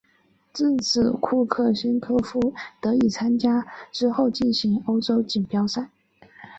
至此库克先科夫得以参加之后进行的欧洲锦标赛。